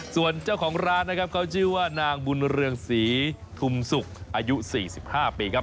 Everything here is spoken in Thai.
ส่วนเจ้าของร้านนะครับเขาชื่อว่านางบุญเรืองศรีทุมศุกร์อายุ๔๕ปีครับ